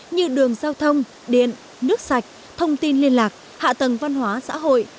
như đường giao thông điện nước sạch thông tin liên lạc hạ tầng văn hóa xã hội